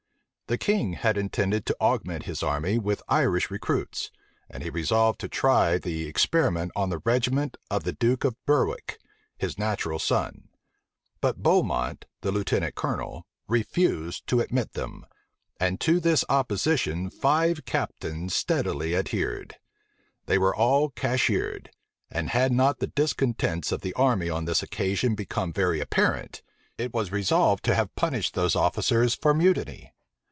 The king had intended to augment his army with Irish recruits; and he resolved to try the experiment on the regiment of the duke of Berwick, his natural son: but Beaumont, the lieutenant colonel, refused to admit them; and to this opposition five captains steadily adhered. They were all cashiered; and had not the discontents of the army on this occasion become very apparent, it was resolved to have punished those officers for mutiny.